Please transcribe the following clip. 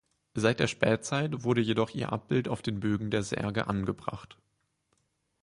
Seit der Spätzeit wurde jedoch ihr Abbild auf den Böden der Särge angebracht.